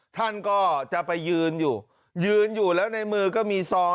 ท่านก็จะไปยืนอยู่ยืนอยู่แล้วในมือก็มีซอง